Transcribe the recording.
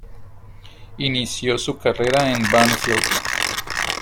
Inició su carrera en Banfield.